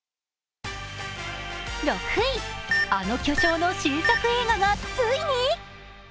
６位、あの巨匠の新作映画がついに。